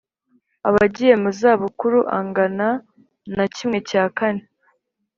abagiye mu zabukuru angana na kimwe cya kane